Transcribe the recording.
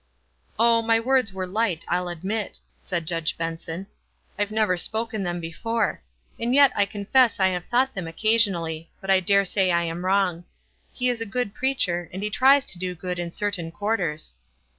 "Oh, my words were light, I'll admit," said Judge Benson. "I've never spoken them be fore ; and yet I confess I have thought them oc casionally ; but I dare say I am wrong. He is a good preacher, and he tries to do good in cer tain quarters."